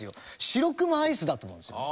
しろくまアイスだと思うんですよ。